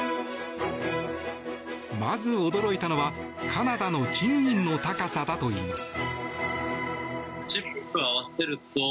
まず驚いたのは、カナダの賃金の高さだといいます。